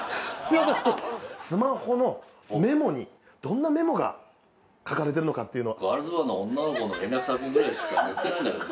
スマホのメモにどんなメモが書かれてるのかっていうのを。